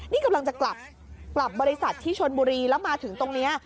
นี่กำลังจะกลับบริษัทที่ชนบุรีแล้วมาถึงตรงนี้